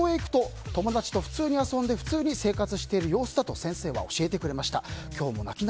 ただ学校へ行くと友達と普通に遊んで普通に生活している様子だと先生は教えてくれました。